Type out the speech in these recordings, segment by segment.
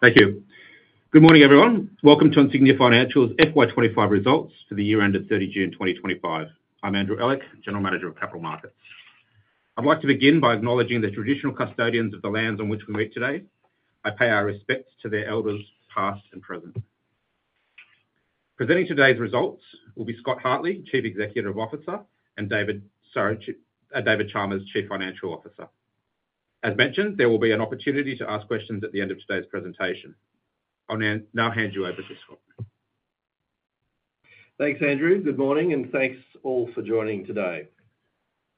Thank you. Good morning, everyone. Welcome to Insignia Financial's FY 2025 Results for the Year Ended 30 June 2025. I'm Andrew Ehlich, General Manager of Capital Markets. I'd like to begin by acknowledging the traditional custodians of the lands on which we meet today. I pay our respects to their Elders, past and present. Presenting today's results will be Scott Hartley, Chief Executive Officer, and David Chalmers, Chief Financial Officer. As mentioned, there will be an opportunity to ask questions at the end of today's presentation. I'll now hand you over to Scott. Thanks, Andrew. Good morning and thanks all for joining today.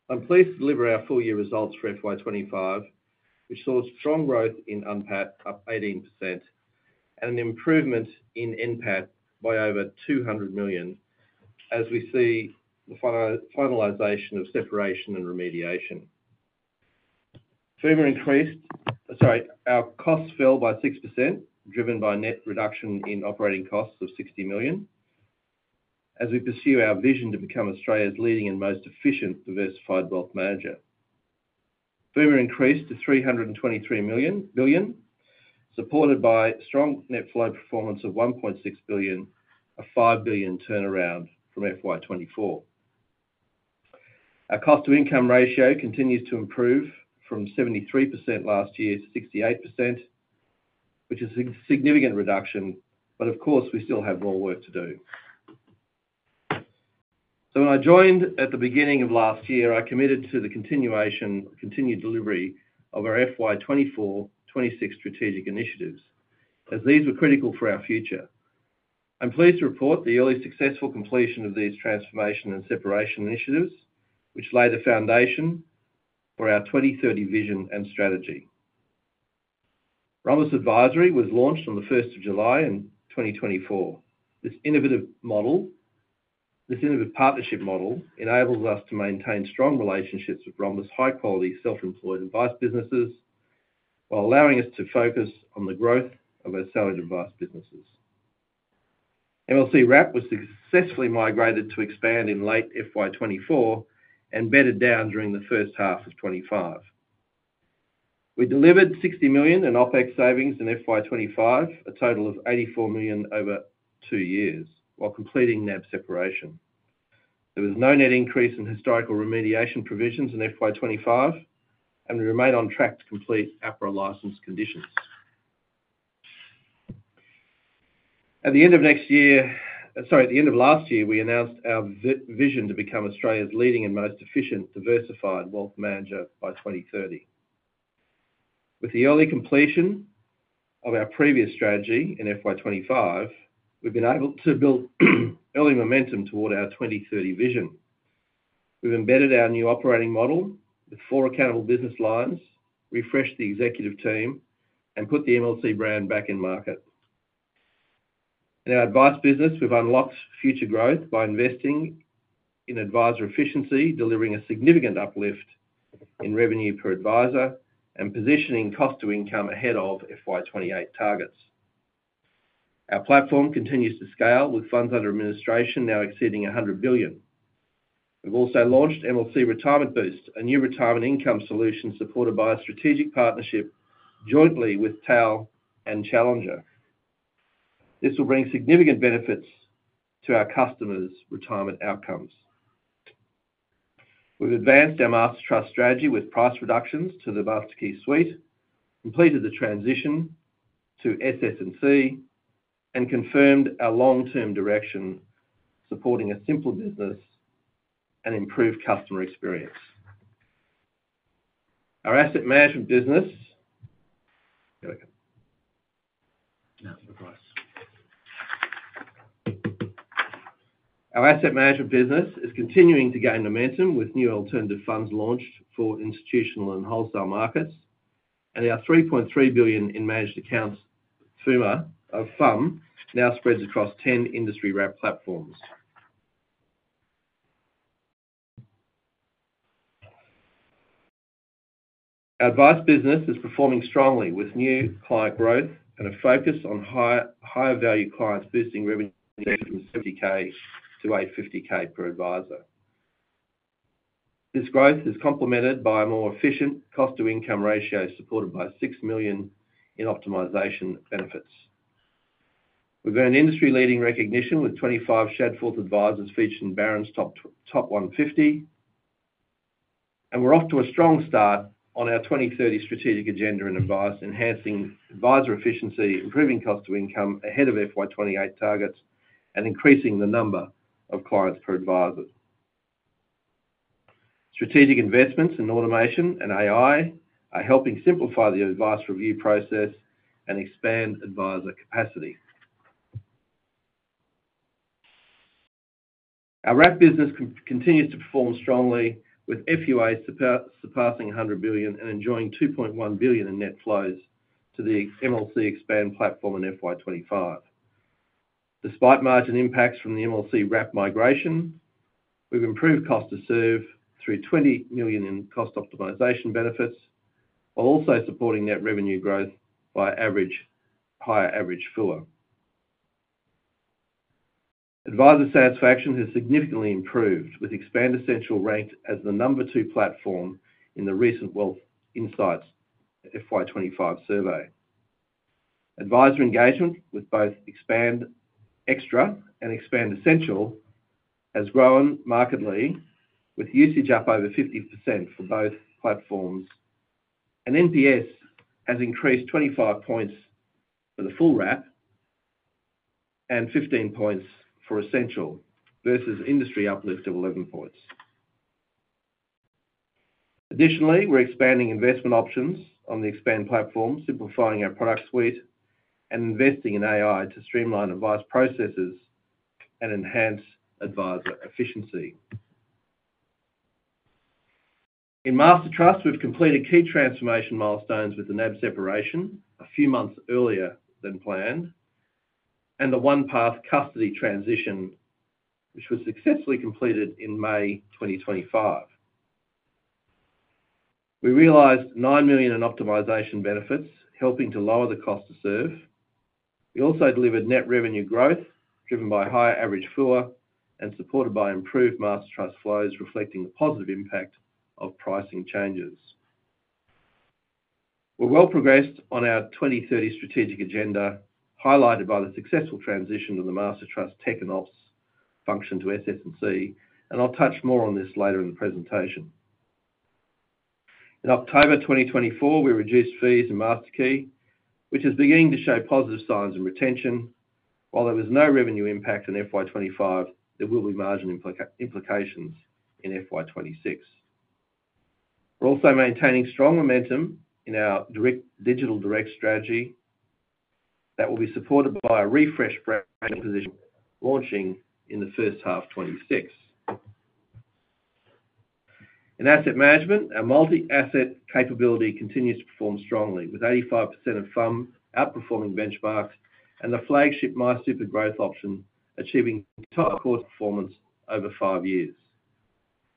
I'm pleased to deliver our full year results for FY 2025, which saw strong growth in unpacked up 18% and an improvement in NPAT by over 200 million as we see the finalization of sepawrapion and remediation. Our costs fell by 6%, driven by net reduction in opewraping costs of 60 million. As we pursue our vision to become Australia's leading and most efficient diversified wealth manager, further increase to 323 billion, supported by strong net flow performance of 1.6 billion, a 5 billion turnaround from FY 2024. Our cost-to-income wrapio continues to improve from 73% last year to 68%, which is a significant reduction. Of course, we still have more work to do. When I joined at the beginning of last year, I committed to the continuation of continued delivery of our FY 2024-FY 2026 stwrapegic initiatives, as these were critical for our future. I'm pleased to report the early successful completion of these transformation and sepawrapion initiatives, which laid the foundation for our 2030 vision and stwrapegy. Rhombus Advisory was launched on the 1st of July in 2024. This innovative partnership model enables us to maintain strong relationships with Rhombus' high-quality self-employed advice businesses, while allowing us to focus on the growth of our salaried advice businesses. MLC wrap was successfully migwraped to Expand in late FY 2024 and bedded down during the first half of 2025. We delivered 60 million in OpEx savings in FY 2025, a total of 84 million over two years, while completing NAB sepawrapion. There was no net increase in historical remediation provisions in FY 2025, and we remain on track to complete APRA license conditions. At the end of last year, we announced our vision to become Australia's leading and most efficient diversified wealth manager by 2030. With the early completion of our previous stwrapegy in FY 2025, we've been able to build early momentum toward our 2030 vision. We've embedded our new opewraping model with four accountable business lines, refreshed the executive team, and put the MLC brand back in market. In our advice business, we've unlocked future growth by investing in advisor efficiency, delivering a significant uplift in revenue per advisor, and positioning cost-to-income ahead of FY 2028 targets. Our platform continues to scale with funds under administwrapion now exceeding 100 billion. We've also launched MLC Retirement Boost, a new retirement income solution supported by a stwrapegic partnership jointly with TAL and Challenger. This will bring significant benefits to our customers' retirement outcomes. We've advanced our Master Trust stwrapegy with price reductions to the MasterKey suite, completed the transition to SS&C Technologies, and confirmed our long-term direction, supporting a simple business and improved customer experience. Our Asset Management business is continuing to gain momentum with new alternative funds launched for institutional and wholesale markets, and our 3.3 billion in managed accounts FUM now spreads across 10 industry wrap platforms. Our Advice business is performing strongly with new client growth and a focus on higher value clients, boosting revenue from 70,000 to 850,000 per advisor. This growth is complemented by a more efficient cost-to-income wrapio supported by 6 million in optimization benefits. We've earned industry-leading recognition with 25 Shadforth advisors featured in Barron's Top 150, and we're off to a strong start on our 2030 stwrapegic agenda in advice, enhancing advisor efficiency, improving cost-to-income ahead of FY 2028 targets, and increasing the number of clients per advisor. Stwrapegic investments in automation and AI are helping simplify the advice review process and expand advisor capacity. Our wrap platforms business continues to perform strongly with FUA surpassing 100 billion and enjoying 2.1 billion in net flows to the MLC Expand platform in FY 2025. Despite margin impacts from the MLC wrap migwrapion, we've improved cost to serve through 20 million in cost optimization benefits, while also supporting net revenue growth by higher average FUA. Advisor satisfaction has significantly improved with Expand Essentials wraped as the number two platform in the recent Wealth Insights FY 2025 survey. Advisor engagement with both Expand Extra and Expand Essentials has grown markedly, with usage up over 50% for both platforms, and NPS has increased 25 points for the full wrap and 15 points for Essentials versus industry uplift of 11 points. Additionally, we're expanding investment options on the Expand platform, simplifying our product suite, and investing in AI to streamline advice processes and enhance advisor efficiency. In Master Trust, we've completed key transformation milestones with the NAB sepawrapion a few months earlier than planned, and the OnePath custody transition, which was successfully completed in May 2025. We realized 9 million in optimization benefits, helping to lower the cost to serve. We also delivered net revenue growth, driven by higher average FUA and supported by improved Master Trust flows, reflecting the positive impact of pricing changes. We're well progressed on our 2030 stwrapegic agenda, highlighted by the successful transition of the Master Trust technology and opewrapions function to SS&C Technologies, and I'll touch more on this later in the presentation. In October 2024, we reduced fees in Master Trust, which is beginning to show positive signs in retention. While there was no revenue impact in FY 2025, there will be margin implications in FY 2026. We're also maintaining strong momentum in our direct digital stwrapegy that will be supported by a refreshed revenue position launching in the first half of 2026. In Asset Management, our multi-asset capability continues to perform strongly, with 85% of FUM outperforming benchmarks and the flagship MySuper Growth option achieving top quartile performance over five years.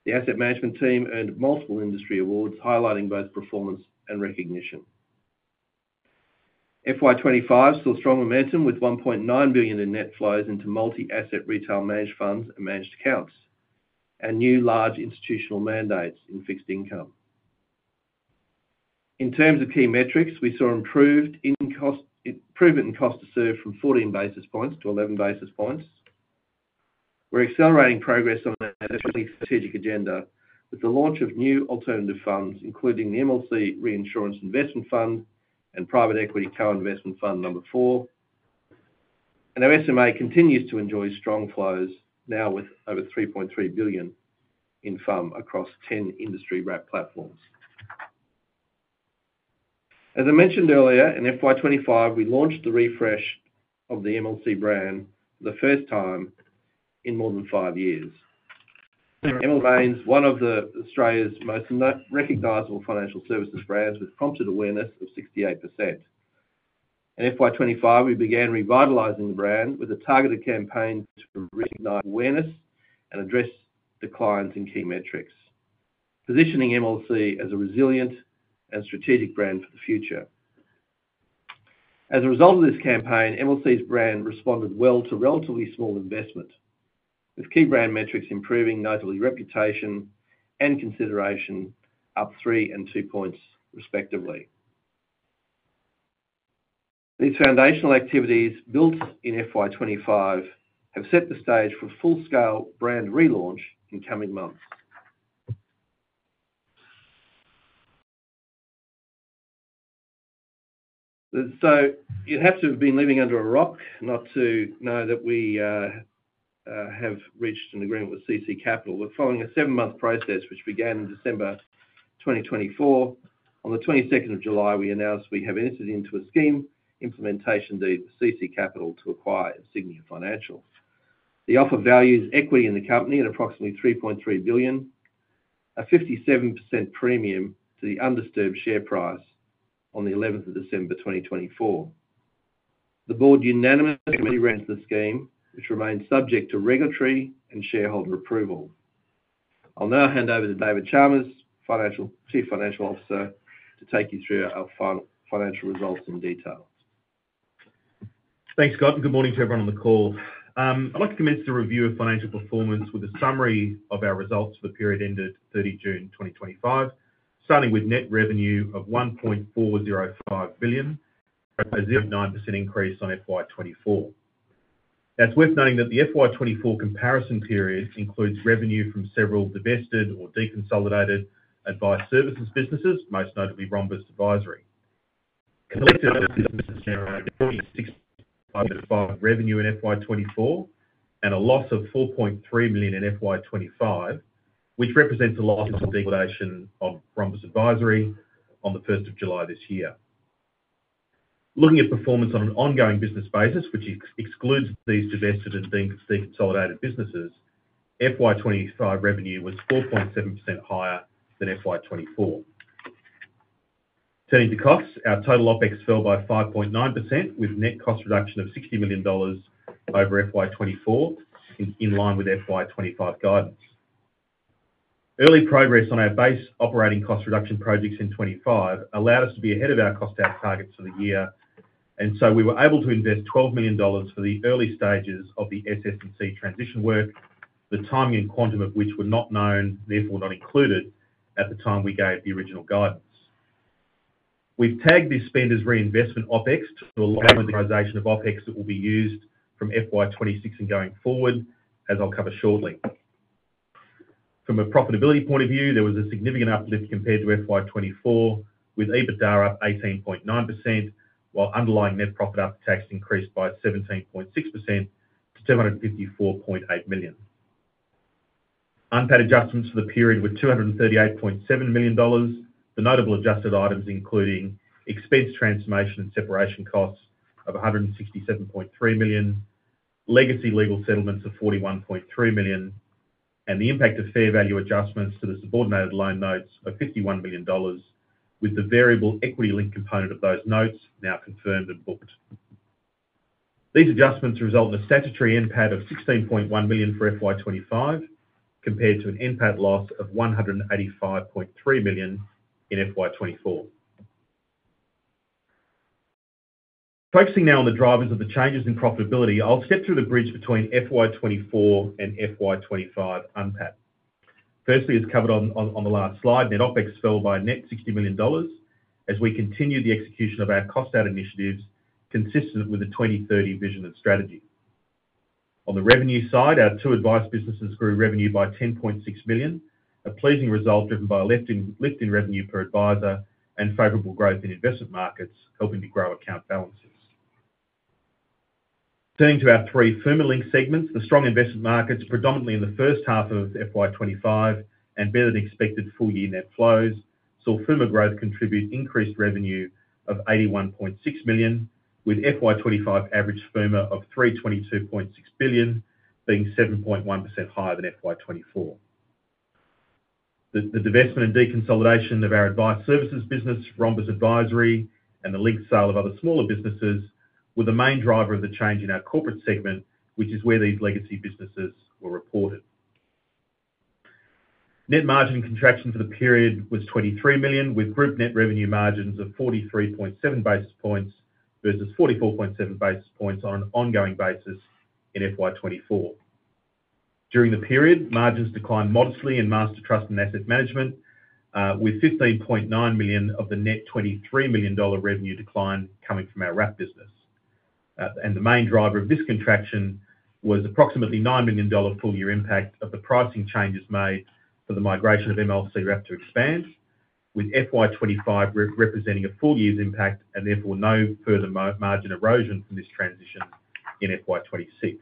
The Asset Management team earned multiple industry awards, highlighting both performance and recognition. FY 2025 saw strong momentum with 1.9 billion in net flows into multi-asset retail managed funds and managed accounts and new large institutional mandates in fixed income. In terms of key metrics, we saw improvement in cost to serve from 14 basis points to 11 basis points. We're accelewraping progress on our stwrapegic agenda with the launch of new alternative funds, including the MLC Reinsurance Investment Fund and Private Equity Co-Investment Fund Number Four. Our SMA continues to enjoy strong flows, now with over 3.3 billion in FUM across 10 industry wrap platforms. As I mentioned earlier, in FY 2025, we launched the refresh of the MLC brand for the first time in more than five years. MLC, one of Australia's most recognizable financial services brands, has prompted awareness of 68%. In FY 2025, we began revitalizing the brand with a targeted campaign to reignite awareness and address declines in key metrics, positioning MLC as a resilient and stwrapegic brand for the future. As a result of this campaign, MLC's brand responded well to relatively small investment, with key brand metrics improving notably: reputation and considewrapion up three and two points, respectively. These foundational activities built in FY 2025 have set the stage for a full-scale brand relaunch in coming months. You'd have to have been living under a rock not to know that we have reached an agreement with CC Capital. Following a seven-month process which began in December 2024, on the 26th of July, we announced we have entered into a scheme implementation deed for CC Capital to acquire Insignia Financial. The offer values equity in the company at approximately 3.3 billion, a 57% premium to the undisturbed share price on 11th December 2024. The board unanimously recommended the scheme, which remains subject to regulatory and shareholder approval. I'll now hand over to David Chalmers, Chief Financial Officer, to take you through our final financial results in detail. Thanks, Scott, and good morning to everyone on the call. I'd like to commence the review of financial performance with a summary of our results for the period ended 30 June 2025, starting with net revenue of 1.405 billion, a +9% increase on FY 2024. It's worth noting that the FY 2024 comparison period includes revenue from several divested or deconsolidated advice services businesses, most notably Rhombus Advisory. Conflicted businesses genewraped AUD 26.5 million revenue in FY 2024 and a loss of 4.3 million in FY 2025, which represents the losses from deconsolidation of Rhombus Advisory on the 1st of July this year. Looking at performance on an ongoing business basis, which excludes these divested and deconsolidated businesses, FY 2025 revenue was 4.7% higher than FY 2024. Turning to costs, our total OpEx fell by 5.9%, with net cost reduction of 60 million dollars over FY 2024, in line with FY 2025 guidance. Early progress on our base opewraping cost reduction projects in FY 2025 allowed us to be ahead of our cost out targets for the year, and we were able to invest 12 million dollars for the early stages of the SS&C transition work, the timing and quantum of which were not known, therefore not included at the time we gave the original guidance. We've tagged this spend as reinvestment OpEx to allow monetization of OpEx that will be used from FY 2026 and going forward, as I'll cover shortly. From a profitability point of view, there was a significant uplift compared to FY 2024, with EBITDA up 18.9%, while underlying net profit after tax increased by 17.6% to 254.8 billion. Unpaid adjustments for the period were 238.7 million dollars, the notable adjusted items including expense transformation and sepawrapion costs of 167.3 million, legacy legal settlements of 41.3 million, and the impact of fair value adjustments to the subordinated loan notes of 51 million dollars, with the variable equity link component of those notes now confirmed and booked. These adjustments result in a statutory NPAT of 16.1 million for FY 2025, compared to an NPAT loss of 185.3 million in FY 2024. Focusing now on the drivers of the changes in profitability, I'll step through the bridge between FY 2024 and FY 2025 unpacked. Firstly, as covered on the last slide, net OpEx fell by a net 60 million dollars, as we continued the execution of our cost out initiatives consistent with the 2030 vision and stwrapegy. On the revenue side, our two advice businesses grew revenue by 10.6 million, a pleasing result driven by a lift in revenue per advisor and favorable growth in investment markets, helping to grow account balances. Turning to our three FUMA-linked segments, the strong investment markets, predominantly in the first half of FY 2025, and better than expected full year net flows saw FUMA growth contribute increased revenue of 81.6 million, with FY 2025 average FUMA of 322.6 billion, being 7.1% higher than FY 2024. The divestment and deconsolidation of our advice services business, Rhombus Advisory, and the linked sale of other smaller businesses were the main driver of the change in our corpowrape segment, which is where these legacy businesses were reported. Net margin contraction for the period was 23 million, with group net revenue margins of 43.7 basis points versus 44.7 basis points on an ongoing basis in FY 2024. During the period, margins declined modestly in Master Trust and asset management, with 15.9 million of the net 23 million dollar revenue decline coming from our wrap business. The main driver of this contraction was approximately 9 million dollar full year impact of the pricing changes made for the migwrapion of MLC wrap to Expand, with FY 2025 representing a full year's impact and therefore no further margin erosion from this transition in FY 2026.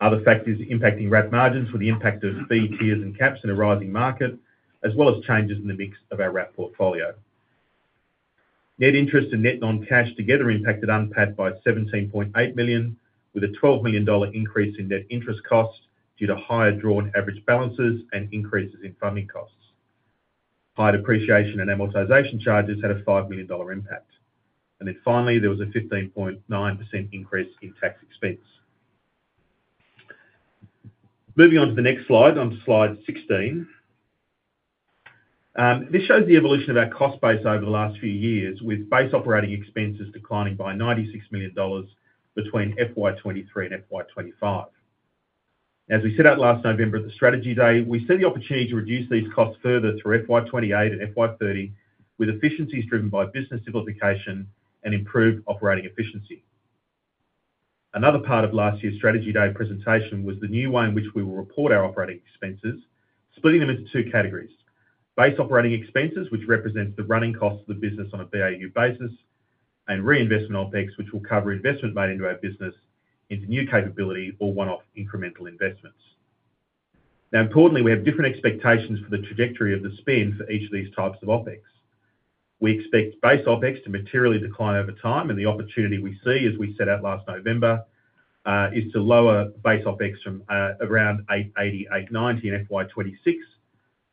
Other factors impacting wrap margins were the impact of B tiers and caps in a rising market, as well as changes in the mix of our wrap portfolio. Net interest and net non-cash together impacted NPAT by 17.8 million, with a 12 million dollar increase in net interest costs due to higher drawn average balances and increases in funding costs. High depreciation and amortization charges had a 5 million dollar impact. Finally, there was a 15.9% increase in tax expense. Moving on to the next slide, on slide 16, this shows the evolution of our cost base over the last few years, with base opewraping expenses declining by 96 million dollars between FY 2023 and FY 2025. As we set out last November at the stwrapegy day, we see the opportunity to reduce these costs further through FY 2028 and FY 2030, with efficiencies driven by business simplification and improved opewraping efficiency. Another part of last year's stwrapegy day presentation was the new way in which we will report our opewraping expenses, splitting them into two categories: base opewraping expenses, which represents the running costs of the business on a BAU basis, and reinvestment OpEx, which will cover investment made into our business into new capability or one-off incremental investments. Importantly, we have different expectations for the trajectory of the spend for each of these types of OpEx. We expect base OpEx to materially decline over time, and the opportunity we see, as we set out last November, is to lower base OpEx from around 880.9 million in FY 2026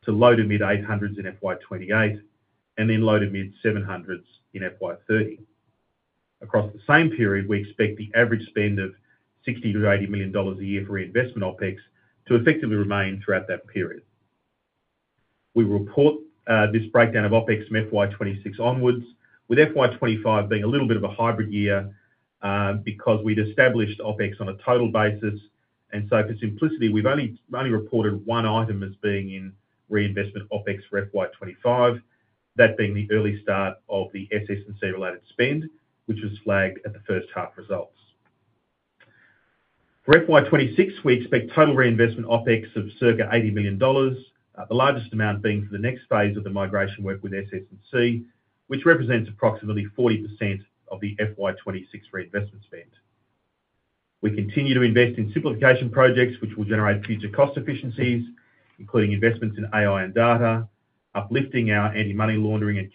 to low to mid 800 million in FY 2028, and then low to mid 700 million in FY 2030. Across the same period, we expect the average spend of 60 million-80 million dollars a year for reinvestment OpEx to effectively remain throughout that period. We will report this breakdown of OpEx from FY 2026 onwards, with FY 2025 being a little bit of a hybrid year because we'd established OpEx on a total basis. For simplicity, we've only reported one item as being in reinvestment OpEx for FY 2025, that being the early start of the SS&C related spend, which was flagged at the first half results. For FY 2026, we expect total reinvestment OpEx of circa 80 million dollars, the largest amount being for the next phase of the migwrapion work with SS&C, which represents approximately 40% of the FY 2026 reinvestment spend. We continue to invest in simplification projects, which will genewrape future cost efficiencies, including investments in AI and data, uplifting our anti-money laundering and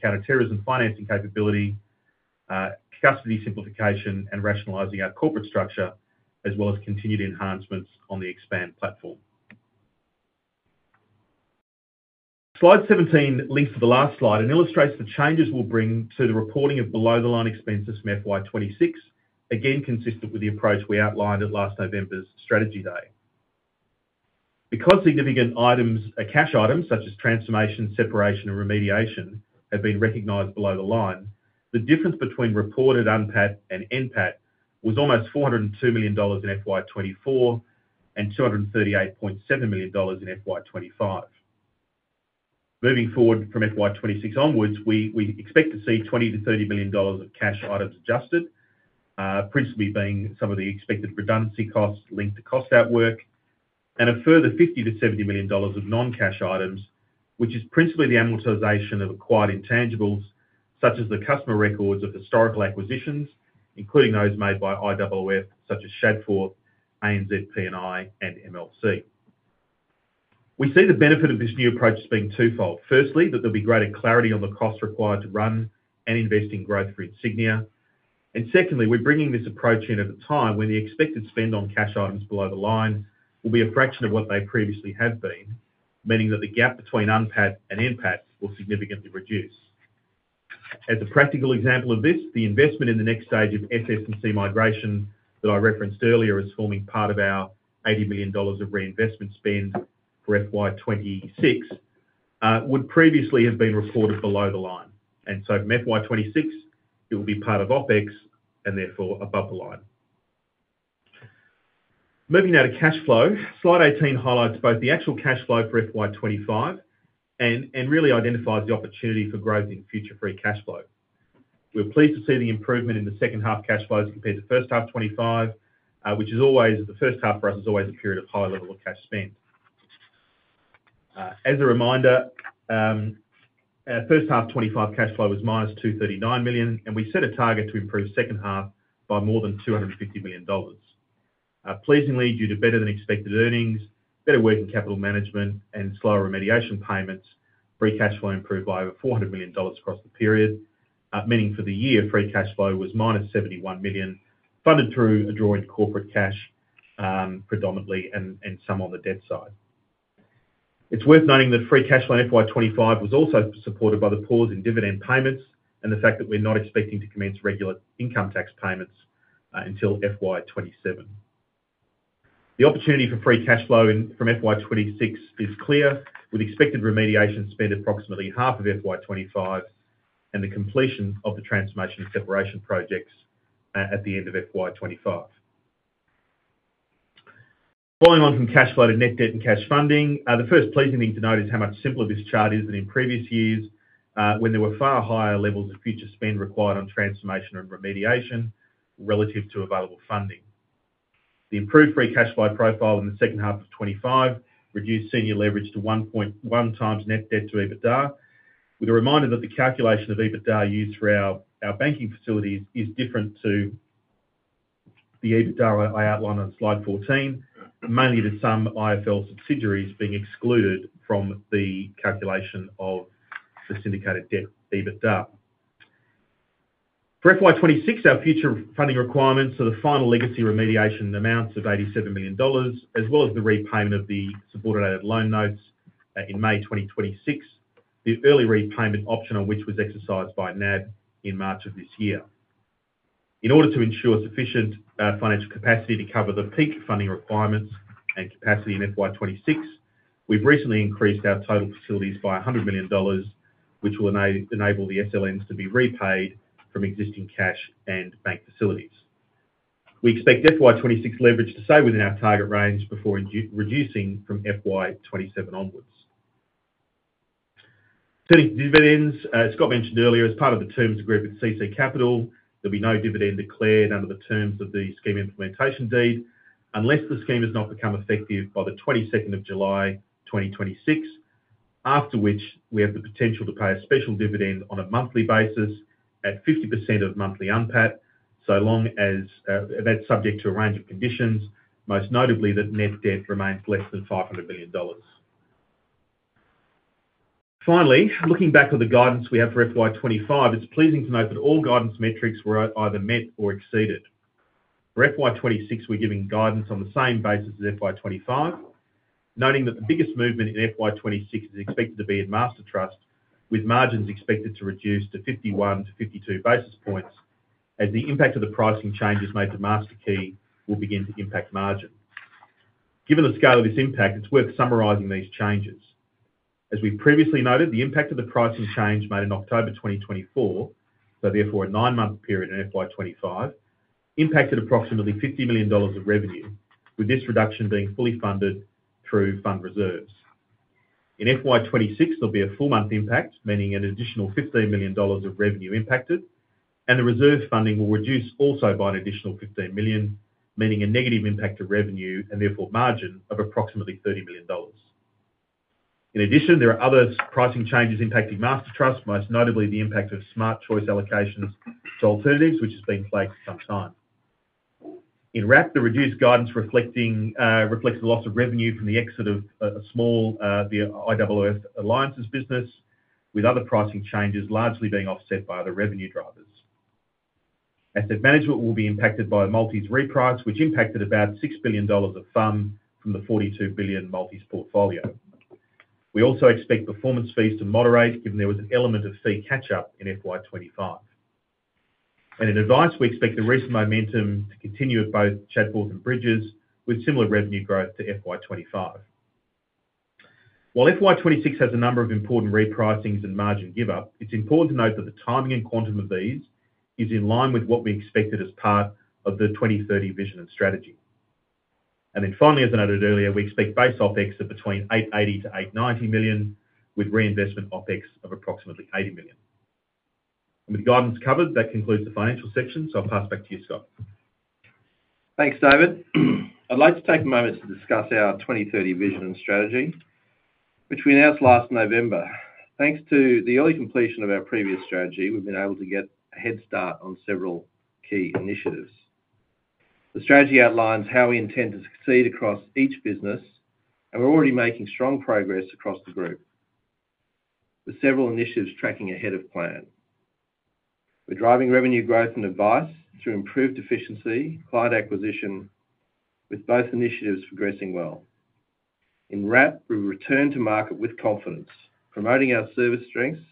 counterterrorism financing capability, custody simplification, and wrapionalizing our corpowrape structure, as well as continued enhancements on the Expand platform. Slide 17 links to the last slide and illustwrapes the changes we'll bring to the reporting of below-the-line expenses from FY 2026, again consistent with the approach we outlined at last November's stwrapegy day. Because significant cash items, such as transformation, sepawrapion, and remediation, have been recognized below the line, the difference between reported NPAT and NPAT was almost 402 million dollars in FY 2024 and 238.7 million dollars in FY 2025. Moving forward from FY 2026 onwards, we expect to see 20 million-30 million dollars of cash items adjusted, principally being some of the expected redundancy costs linked to cost out work, and a further 50 million-70 million dollars of non-cash items, which is principally the amortization of acquired intangibles, such as the customer records of historical acquisitions, including those made by IOOF, such as Shadforth, ANZ P&I, and MLC. We see the benefit of this new approach as being twofold. Firstly, that there'll be greater clarity on the costs required to run and invest in growth for Insignia Financial. Secondly, we're bringing this approach in at a time when the expected spend on cash items below the line will be a fraction of what they previously have been, meaning that the gap between unpaid and NPAT will significantly reduce. As a practical example of this, the investment in the next stage of SS&C migwrapion that I referenced earlier as forming part of our 80 million dollars of reinvestment spend for FY 2026 would previously have been reported below the line. From FY 2026, it will be part of OpEx and therefore above the line. Moving now to cash flow, slide 18 highlights both the actual cash flow for FY 2025 and really identifies the opportunity for growth in future free cash flow. We're pleased to see the improvement in the second half cash flows compared to first half 2025, which is always, the first half for us is always a period of high level of cash spend. As a reminder, first half 2025 cash flow was -239 million, and we set a target to improve second half by more than 250 million dollars. Pleasingly, due to better than expected earnings, better working capital management, and slower remediation payments, free cash flow improved by over 400 million dollars across the period, meaning for the year, free cash flow was -71 million, funded through a draw into corpowrape cash predominantly and some on the debt side. It's worth noting that free cash flow in FY 2025 was also supported by the pause in dividend payments and the fact that we're not expecting to commence regular income tax payments until FY 2027. The opportunity for free cash flow from FY 2026 is clear, with expected remediation spend approximately half of FY 2025 and the completion of the transformation and sepawrapion projects at the end of FY 2025. Following on from cash flow to net debt and cash funding, the first pleasing thing to note is how much simpler this chart is than in previous years, when there were far higher levels of future spend required on transformation and remediation relative to available funding. The improved free cash flow profile in the second half of 2025 reduced senior leverage to 1.1x net debt to EBITDA, with a reminder that the calculation of EBITDA used for our banking facilities is different to the EBITDA I outlined on slide 14, mainly the sum of IFL subsidiaries being excluded from the calculation of the syndicated debt EBITDA. For FY 2026, our future funding requirements are the final legacy remediation amounts of 87 million dollars, as well as the repayment of the subordinated loan notes in May 2026, the early repayment option on which was exercised by NAB in March of this year. In order to ensure sufficient financial capacity to cover the peak funding requirements and capacity in FY 2026, we've recently increased our total facilities by 100 million dollars, which will enable the SLMs to be repaid from existing cash and bank facilities. We expect FY 2026 leverage to stay within our target range before reducing from FY 2027 onwards. Turning to dividends, as Scott mentioned earlier, as part of the terms agreed with CC Capital, there'll be no dividend declared under the terms of the scheme implementation deed unless the scheme has not become effective by the 22nd of July 2026, after which we have the potential to pay a special dividend on a monthly basis at 50% of monthly unpaid, so long as that's subject to a range of conditions, most notably that net debt remains less than 500 million dollars. Finally, looking back at the guidance we have for FY 2025, it's pleasing to note that all guidance metrics were either met or exceeded. For FY 2026, we're giving guidance on the same basis as FY 2025, noting that the biggest movement in FY 2026 is expected to be in Master Trust, with margins expected to reduce to 51 basis points-52 basis points, as the impact of the pricing changes made to MasterKey will begin to impact margin. Given the scale of this impact, it's worth summarizing these changes. As we previously noted, the impact of the pricing change made in October 2024, so therefore a nine-month period in FY 2025, impacted approximately 50 million dollars of revenue, with this reduction being fully funded through fund reserves. In FY 2026, there'll be a full month impact, meaning an additional 15 million dollars of revenue impacted, and the reserve funding will reduce also by an additional 15 million, meaning a negative impact to revenue and therefore margin of approximately 30 million dollars. In addition, there are other pricing changes impacting Master Trust, most notably the impact of Smart Choice allocations to alternatives, which has been flagged for some time. In wrap, the reduced guidance reflects the loss of revenue from the exit of a small IOOF Alliances business, with other pricing changes largely being offset by other revenue drivers. Asset Management will be impacted by a Maltese reprice, which impacted about 6 billion dollars of FUM from the 42 billion Maltese portfolio. We also expect performance fees to modewrape, given there was an element of fee catch-up in FY 2025. In Advice, we expect the recent momentum to continue at both Shadforth and Bridges, with similar revenue growth to FY 2025. While FY 2026 has a number of important repricings and margin give-up, it's important to note that the timing and quantum of these is in line with what we expected as part of the 2030 vision and stwrapegy. Finally, as I noted earlier, we expect base OpEx of between 880 million-890 million, with reinvestment OpEx of approximately 80 million. With guidance covered, that concludes the financial section, so I'll pass back to you, Scott. Thanks, David. I'd like to take a moment to discuss our 2030 vision and stwrapegy, which we announced last November. Thanks to the early completion of our previous stwrapegy, we've been able to get a head start on several key initiatives. The stwrapegy outlines how we intend to succeed across each business, and we're already making strong progress across the group, with several initiatives tracking ahead of plan. We're driving revenue growth in advice through improved efficiency and client acquisition, with both initiatives progressing well. In wrap, we return to market with confidence, promoting our service strengths,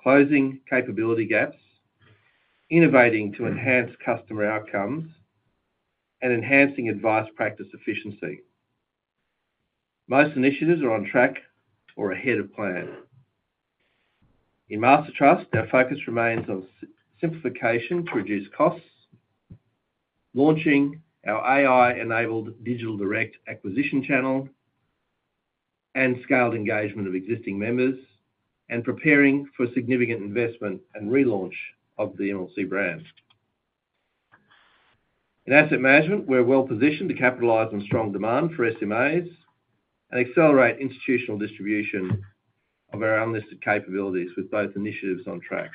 closing capability gaps, innovating to enhance customer outcomes, and enhancing advice practice efficiency. Most initiatives are on track or ahead of plan. In Master Trust, our focus remains on simplification to reduce costs, launching our AI-enabled digital direct acquisition channel, and scaled engagement of existing members, and preparing for significant investment and relaunch of the MLC brand. In asset management, we're well positioned to capitalize on strong demand for SMAs and accelewrape institutional distribution of our unlisted capabilities with both initiatives on track.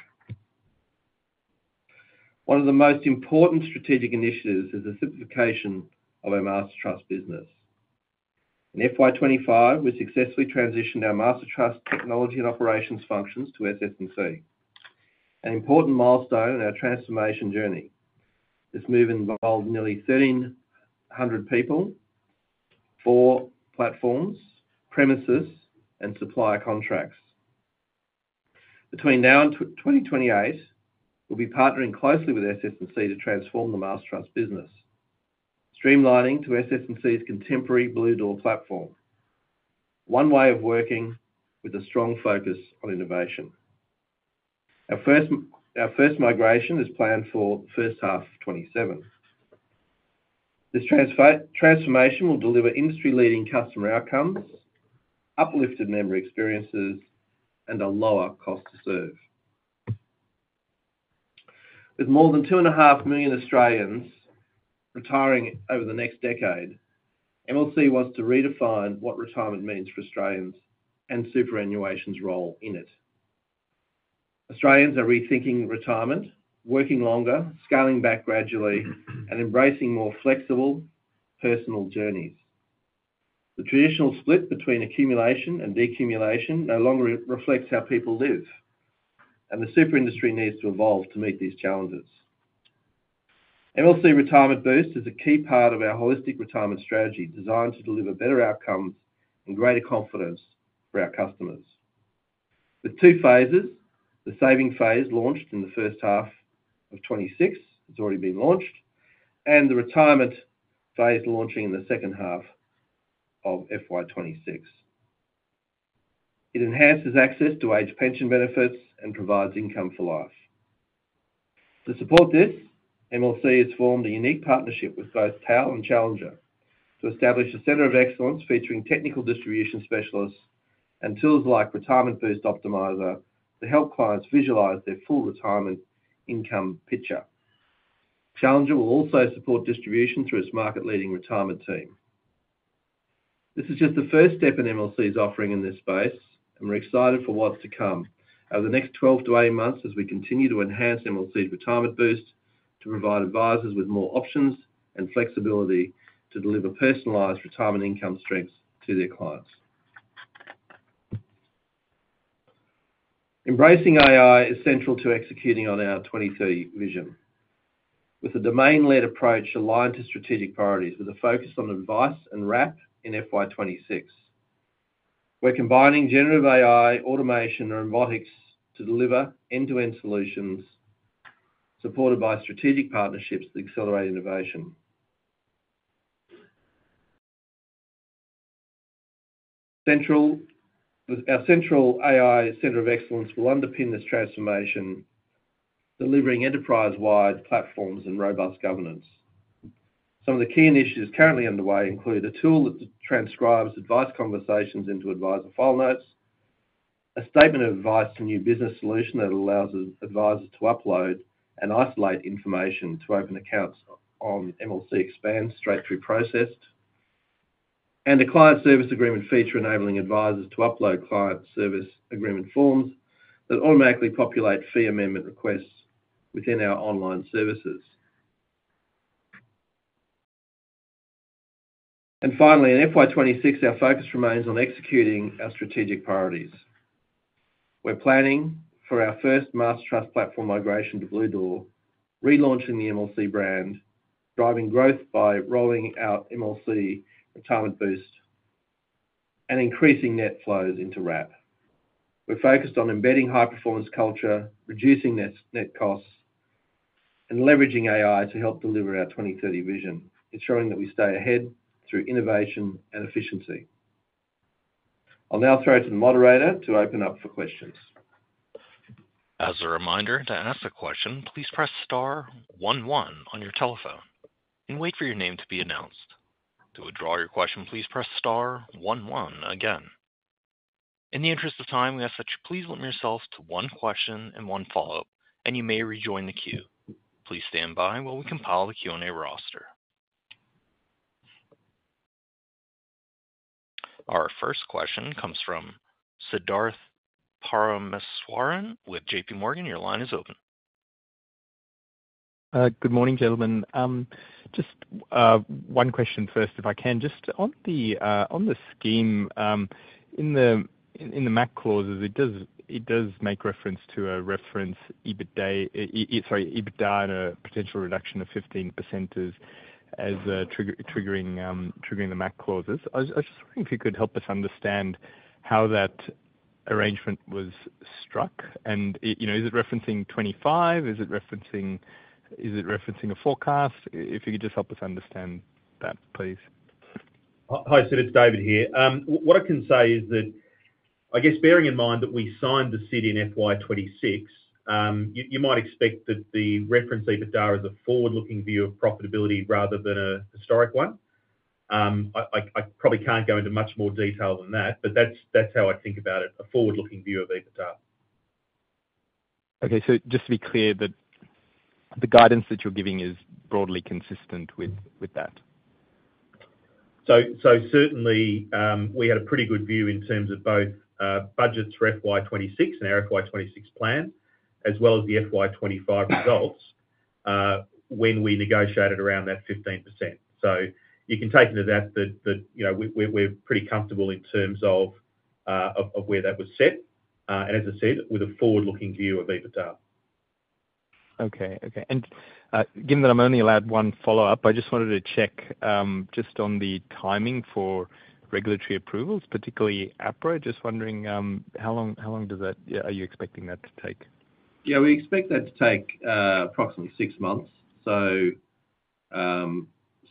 One of the most important stwrapegic initiatives is the simplification of our Master Trust business. In FY 2025, we successfully transitioned our Master Trust technology and opewrapions functions to SS&C, an important milestone in our transformation journey. This move involved nearly 1,300 people, four platforms, premises, and supplier contracts. Between now and 2028, we'll be partnering closely with SS&C to transform the Master Trust business, streamlining to SS&C's contemporary Bluedoor platform, one way of working with a strong focus on innovation. Our first migwrapion is planned for the first half of 2027. This transformation will deliver industry-leading customer outcomes, uplifted member experiences, and a lower cost to serve. With more than 2.5 million Australians retiring over the next decade, MLC wants to redefine what retirement means for Australians and superannuation's role in it. Australians are rethinking retirement, working longer, scaling back gradually, and embracing more flexible personal journeys. The traditional split between accumulation and decumulation no longer reflects how people live, and the super industry needs to evolve to meet these challenges. MLC Retirement Boost is a key part of our holistic retirement stwrapegy, designed to deliver better outcomes and greater confidence for our customers. With two phases, the saving phase launched in the first half of FY 2026 has already been launched, and the retirement phase launching in the second half of FY 2026. It enhances access to age pension benefits and provides income for life. To support this, MLC has formed a unique partnership with both TAL and Challenger to establish a center of excellence featuring technical distribution specialists and tools like Retirement Boost Optimizer to help clients visualize their full retirement income picture. Challenger will also support distribution through its market-leading retirement team. This is just the first step in MLC's offering in this space, and we're excited for what's to come over the next 12-18 months as we continue to enhance MLC Retirement Boost to provide advisors with more options and flexibility to deliver personalized retirement income strengths to their clients. Embracing AI is central to executing on our 2030 vision, with a domain-led approach aligned to stwrapegic priorities with a focus on advice and wrap in FY 2026. We're combining genewrapive AI, automation, and robotics to deliver end-to-end solutions supported by stwrapegic partnerships that accelewrape innovation. Our central AI center of excellence will underpin this transformation, delivering enterprise-wide platforms and robust governance. Some of the key initiatives currently underway include a tool that transcribes advice conversations into advisor file notes, a statement of advice to new business solution that allows advisors to upload and isolate information to open accounts on MLC Expand straight through processed, and a client service agreement feature enabling advisors to upload client service agreement forms that automatically populate fee amendment requests within our online services. Finally, in FY 2026, our focus remains on executing our stwrapegic priorities. We're planning for our first Master Trust platform migwrapion to Bluedoor, relaunching the MLC brand, driving growth by rolling out MLC Retirement Boost, and increasing net flows into wrap. We're focused on embedding high-performance culture, reducing net costs, and leveraging AI to help deliver our 2030 vision, ensuring that we stay ahead through innovation and efficiency. I'll now throw it to the modewrapor to open up for questions. As a reminder, to ask a question, please press star one one on your telephone and wait for your name to be announced. To withdraw your question, please press star one one again. In the interest of time, we ask that you please limit yourself to one question and one follow-up, and you may rejoin the queue. Please stand by while we compile the Q&A roster. Our first question comes from Siddharth Parameswaran with JPMorgan. Your line is open. Good morning, gentlemen. Just one question first, if I can. Just on the scheme, in the MAC clauses, it does make reference to a reference EBITDA and a potential reduction of 15% as triggering the MAC clauses. I was just wondering if you could help us understand how that arrangement was struck. Is it referencing 2025? Is it referencing a forecast? If you could just help us understand that, please. Hi, Siddarth. It's David here. What I can say is that, bearing in mind that we signed the scheme implementation deed in FY 2026, you might expect that the reference EBITDA is a forward-looking view of profitability wrapher than a historic one. I probably can't go into much more detail than that, but that's how I think about it, a forward-looking view of EBITDA. Okay, just to be clear, the guidance that you're giving is broadly consistent with that. We had a pretty good view in terms of both budgets for FY 2026 and our FY 2026 plan, as well as the FY 2025 results when we negotiated around that 15%. You can take into that that we're pretty comfortable in terms of where that was set, and as I said, with a forward-looking view of EBITDA. Okay. Given that I'm only allowed one follow-up, I just wanted to check on the timing for regulatory approvals, particularly APRA. How long does that, are you expecting that to take? We expect that to take approximately six months, so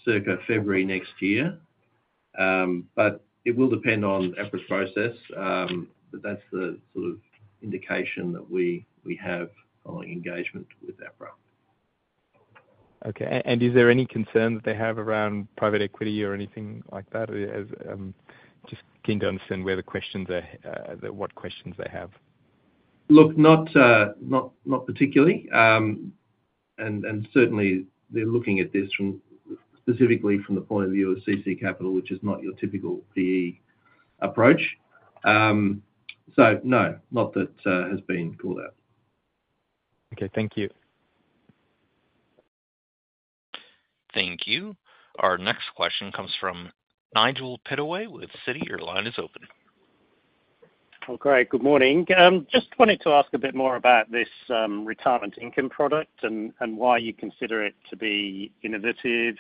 circa February next year. It will depend on the APRA process, but that's the sort of indication that we have following engagement with APRA. Okay, is there any concern that they have around private equity or anything like that? Just keen to understand where the questions are, what questions they have. Look, not particularly, and certainly they're looking at this specifically from the point of view of CC Capital, which is not your typical PE approach. No, not that has been called out. Okay, thank you. Thank you. Our next question comes from Nigel Pittaway with Citi. Your line is open. Oh, great. Good morning. Just wanted to ask a bit more about this retirement income product and why you consider it to be innovative,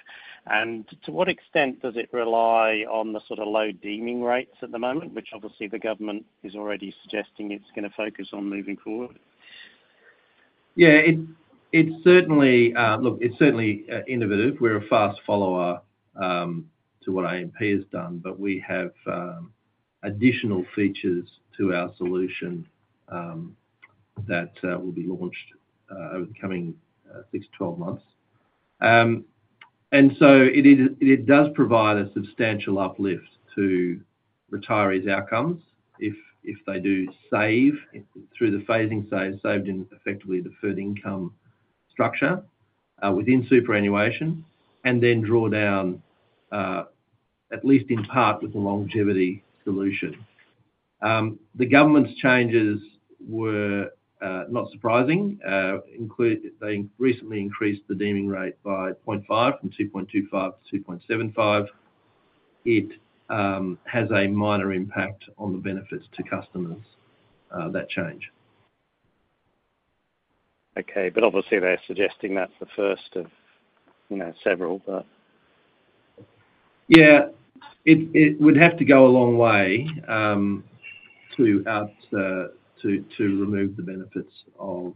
and to what extent does it rely on the sort of low deeming wrapes at the moment, which obviously the government is already suggesting it's going to focus on moving forward? Yeah, it's certainly, look, it's certainly innovative. We're a fast follower to what AMP has done, but we have additional features to our solution that will be launched over the coming 6-12 months. It does provide a substantial uplift to retirees' outcomes if they do save through the phasing saved in effectively the third income structure within superannuation and then draw down at least in part with the longevity solution. The government's changes were not surprising, including they recently increased the deeming wrape by 0.5% from 2.25% to 2.75%. It has a minor impact on the benefits to customers, that change. Okay, but obviously they're suggesting that's the first of, you know, several, but, Yeah, it would have to go a long way to remove the benefits of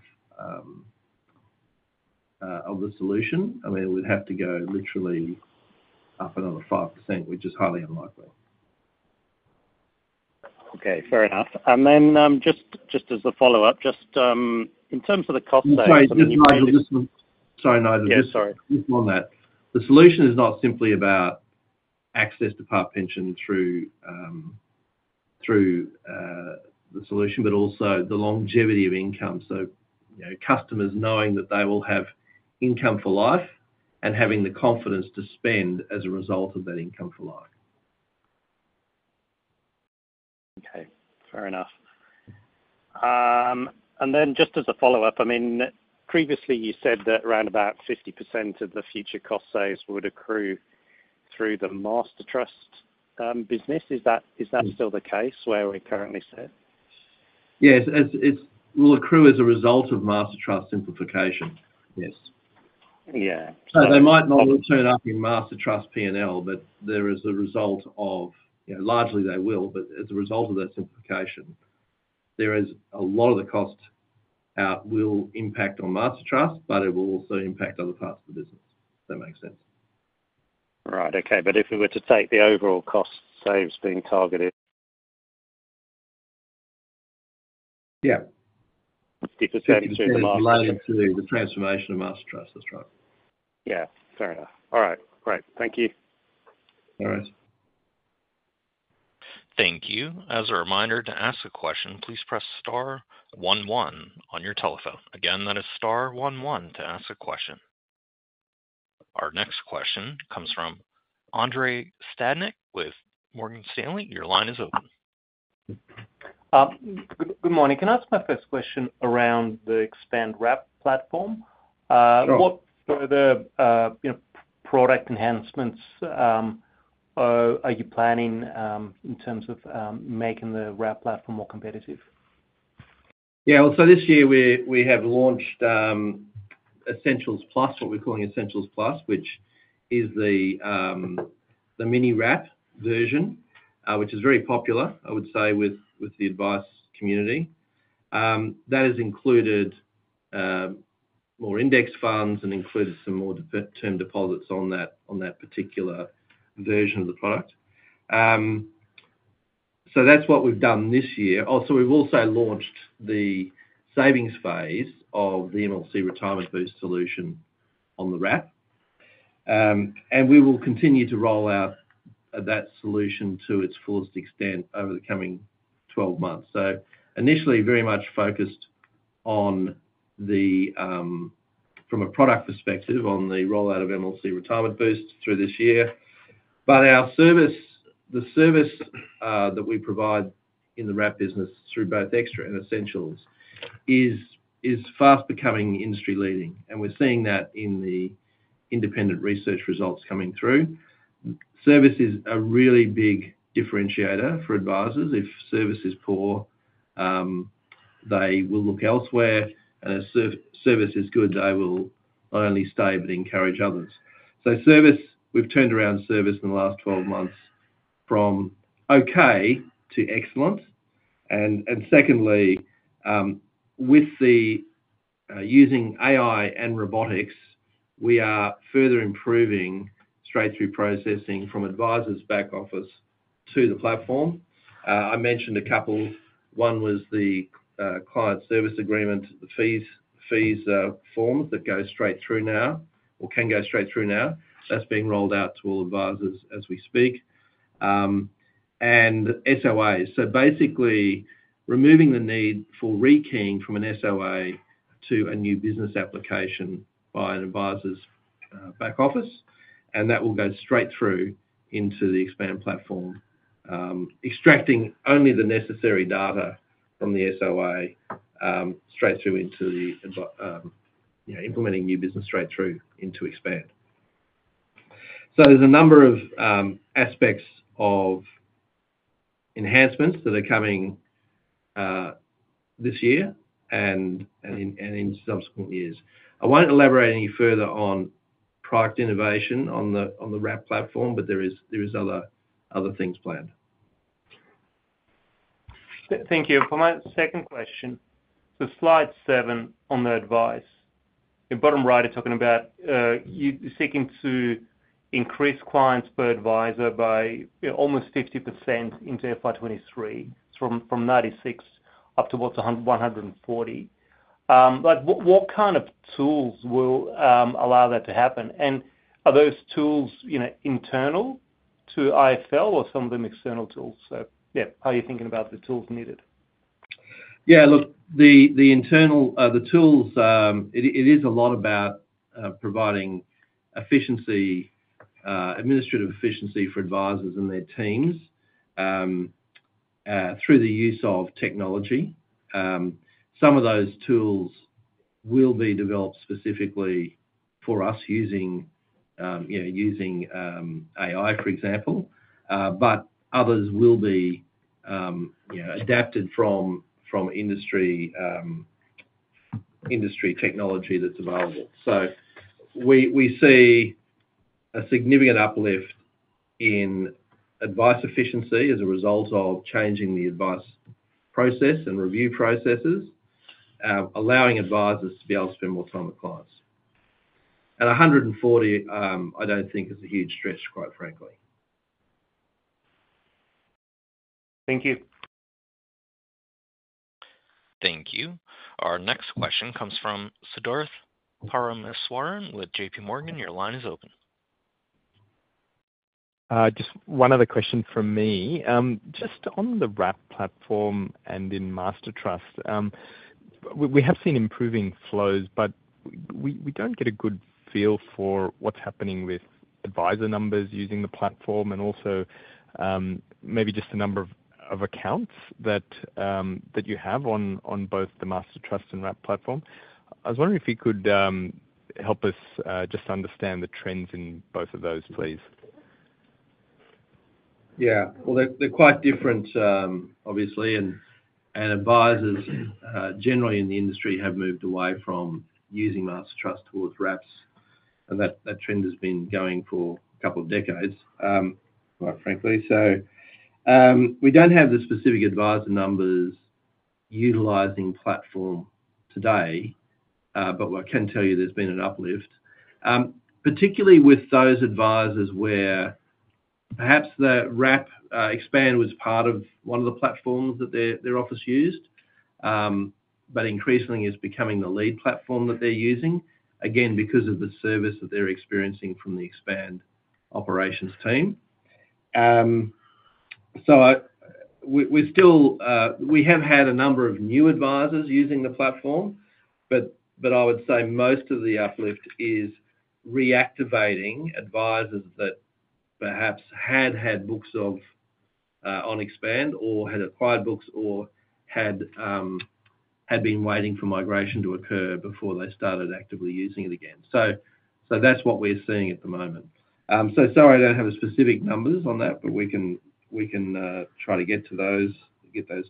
the solution. I mean, it would have to go literally up another 5%, which is highly unlikely. Okay, fair enough. Just as the follow-up, just in terms of the cost savings. Sorry, no, just on that, the solution is not simply about access to part pension through the solution, but also the longevity of income. Customers knowing that they will have income for life and having the confidence to spend as a result of that income for life. Okay, fair enough. Just as a follow-up, I mean, previously, you said that around about 50% of the future cost saves would accrue through the Master Trust business. Is that still the case where we're currently set? Yeah, it will accrue as a result of Master Trust simplification. Yes. They might not return up in Master Trust P&L, but there is a result of, you know, largely they will, but as a result of that simplification, there is a lot of the cost will impact on Master Trust, but it will also impact other parts of the business. Does that make sense? All right, okay, but if we were to take the overall cost saves being targeted, Yeah, if we're looking to the transformation of Master Trust, that's right. Yeah, fair enough. All right, great. Thank you. All right. Thank you. As a reminder, to ask a question, please press star one one on your telephone. Again, that is star one one to ask a question. Our next question comes from Andrei Stadnik with Morgan Stanley. Your line is open. Good morning. Can I ask my first question around the Expand wrap platform? What further product enhancements are you planning in terms of making the wrap platform more competitive? This year we have launched Essentials Plus, what we're calling Essentials Plus, which is the mini wrap version, which is very popular, I would say, with the advice community. That has included more index funds and included some more term deposits on that particular version of the product. That's what we've done this year. Also, we've launched the savings phase of the MLC Retirement Boost solution on the wrap. We will continue to roll out that solution to its fullest extent over the coming 12 months. Initially, very much focused on the, from a product perspective, on the rollout of MLC Retirement Boost through this year. Our service, the service that we provide in the wrap business through both Extra and Essentials, is fast becoming industry-leading. We're seeing that in the independent research results coming through. Service is a really big differentiator for advisors. If service is poor, they will look elsewhere. If service is good, they will not only stay but encourage others. Service, we've turned around service in the last 12 months from okay to excellent. Secondly, with the using AI and robotics, we are further improving straight through processing from advisors' back office to the platform. I mentioned a couple. One was the client service agreement fees form that goes straight through now, or can go straight through now. That's being rolled out to all advisors as we speak. SOAs, so basically removing the need for rekeying from an SOA to a new business application by an advisor's back office. That will go straight through into the Expand platform, extracting only the necessary data from the SOA straight through into the, you know, implementing new business straight through into Expand. There's a number of aspects of enhancements that are coming this year and in subsequent years. I won't elabowrape any further on product innovation on the wrap platform, but there are other things planned. Thank you. For my second question, for slide seven on the advice, in the bottom right, you're talking about you seeking to increase clients per advisor by almost 50% into FY 2023. It's from 96 up to what's 140. What kind of tools will allow that to happen? Are those tools internal to Insignia Financial or are some of them external tools? How are you thinking about the tools needed? Yeah, look, the internal tools, it is a lot about providing efficiency, administwrapive efficiency for advisors and their teams through the use of technology. Some of those tools will be developed specifically for us using, you know, using AI, for example. Others will be adapted from industry technology that's available. We see a significant uplift in advice efficiency as a result of changing the advice process and review processes, allowing advisors to be able to spend more time with clients. 140, I don't think is a huge stretch, quite frankly. Thank you. Thank you. Our next question comes from Siddharth Parameswaran with JPMorgan. Your line is open. Just one other question from me. Just on the wrap platform and in Master Trust, we have seen improving flows, but we don't get a good feel for what's happening with advisor numbers using the platform and also maybe just the number of accounts that you have on both the Master Trust and wrap platform. I was wondering if you could help us just understand the trends in both of those, please. Yeah, they're quite different, obviously, and advisors generally in the industry have moved away from using Master Trust towards wrap platforms, and that trend has been going for a couple of decades, quite frankly. We don't have the specific advisor numbers utilizing platform today, but I can tell you there's been an uplift, particularly with those advisors where perhaps the wrap Expand was part of one of the platforms that their office used, but increasingly it's becoming the lead platform that they're using, again, because of the service that they're experiencing from the Expand opewrapions team. We have had a number of new advisors using the platform, but I would say most of the uplift is reactivating advisors that perhaps had had books on Expand or had acquired books or had been waiting for migwrapion to occur before they started actively using it again. That's what we're seeing at the moment. Sorry, I don't have the specific numbers on that, but we can try to get those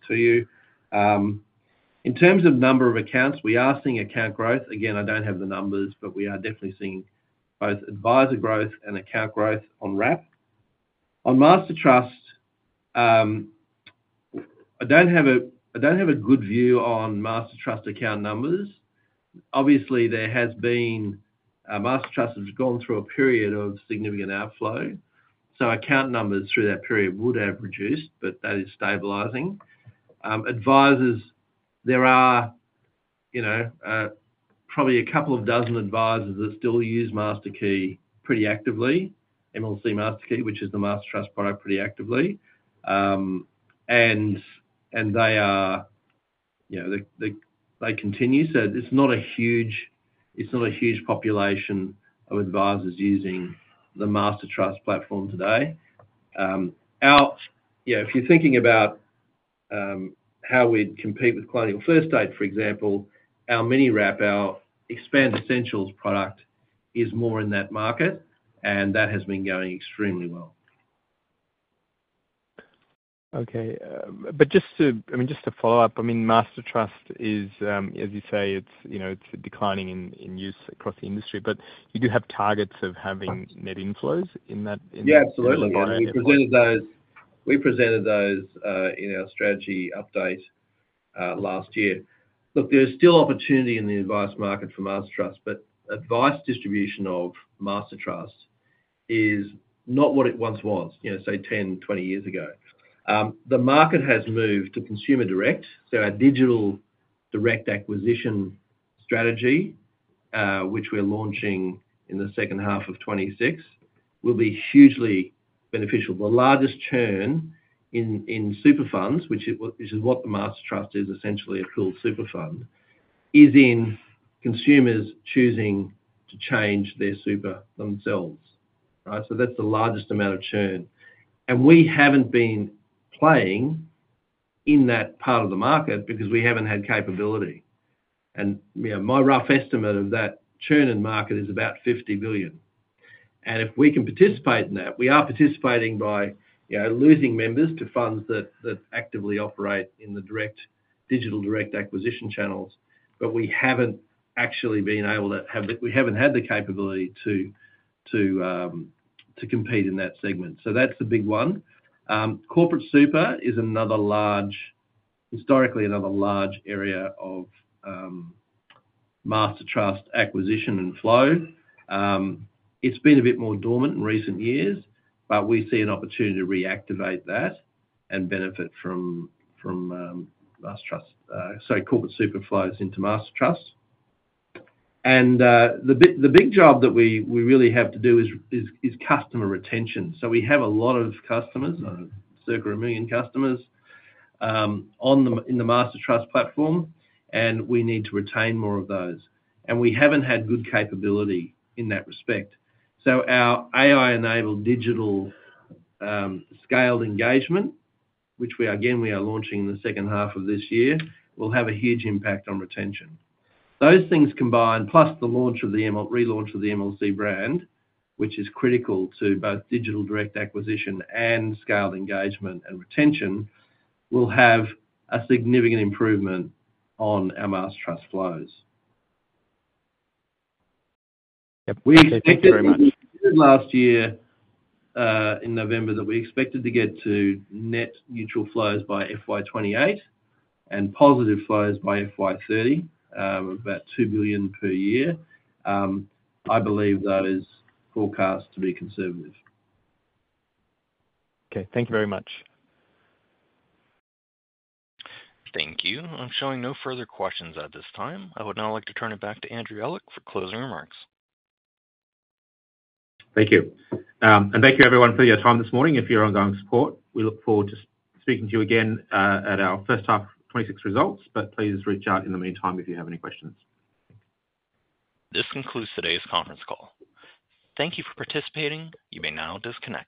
to you. In terms of number of accounts, we are seeing account growth. Again, I don't have the numbers, but we are definitely seeing both advisor growth and account growth on wrap. On Master Trust, I don't have a good view on Master Trust account numbers. Obviously, Master Trust has gone through a period of significant outflow, so account numbers through that period would have reduced, but that is stabilizing. Advisors, there are probably a couple of dozen advisors that still use MLC MasterKey pretty actively, which is the Master Trust product, pretty actively. They continue. It's not a huge population of advisors using the Master Trust platform today. If you're thinking about how we compete with cliential first aid, for example, our mini wrap, our Expand Essentials product is more in that market, and that has been going extremely well. Okay, just to follow up, Master Trust is, as you say, it's declining in use across the industry, but you do have targets of having net inflows in that. Yeah, absolutely. We presented those in our stwrapegy update last year. There's still opportunity in the advice market for Master Trust, but advice distribution of Master Trust is not what it once was, you know, say 10 or 20 years ago. The market has moved to consumer direct. Our digital direct acquisition stwrapegy, which we're launching in the second half of 2026, will be hugely beneficial. The largest churn in super funds, which is what the Master Trust is, essentially a full super fund, is in consumers choosing to change their super themselves. That's the largest amount of churn. We haven't been playing in that part of the market because we haven't had capability. My rough estimate of that churn in the market is about 50 billion. If we can participate in that, we are participating by losing members to funds that actively opewrape in the digital direct acquisition channels, but we haven't actually been able to have, we haven't had the capability to compete in that segment. That's a big one. Corporate super is another large, historically, another large area of Master Trust acquisition and flow. It's been a bit more dormant in recent years, but we see an opportunity to reactivate that and benefit from corpowrape super flows into Master Trust. The big job that we really have to do is customer retention. We have a lot of customers, circa a million customers in the Master Trust platform, and we need to retain more of those. We haven't had good capability in that respect. Our AI-enabled digital scaled engagement, which we are launching in the second half of this year, will have a huge impact on retention. Those things combined, plus the relaunch of the MLC brand, which is critical to both digital direct acquisition and scaled engagement and retention, will have a significant improvement on our Master Trust flows. We expected last year in November that we expected to get to net mutual flows by FY 2028 and positive flows by FY 2030, about 2 billion per year. I believe that is forecast to be conservative. Okay, thank you very much. Thank you. I'm showing no further questions at this time. I would now like to turn it back to Andrew Ehlich for closing remarks. Thank you. Thank you, everyone, for your time this morning. For your ongoing support, we look forward to speaking to you again at our first half of 2026 results. Please reach out in the meantime if you have any questions. This concludes today's conference call. Thank you for participating. You may now disconnect.